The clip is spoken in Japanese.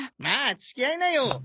まあ付き合いなよ。